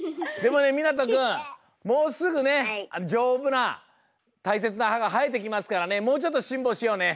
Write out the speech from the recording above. もうすぐねじょうぶなたいせつな歯がはえてきますからねもうちょっとしんぼうしようね。